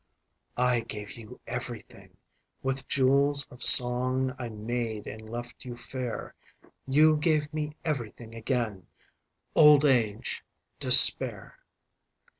I gave you everything:With jewels of song I made and left you fair. You gave me everything again:Old age, despair.